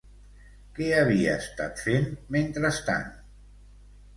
Què havia estat fent mentrestant?